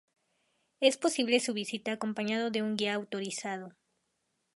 Es posible su visita acompañado de un guía autorizado.